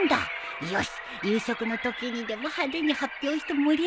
よし夕食のときにでも派手に発表して盛り上げてやろう